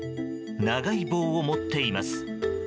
長い棒を持っています。